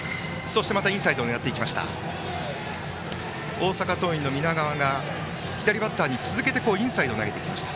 大阪桐蔭の南が左バッターに続けてインサイドに投げてきました。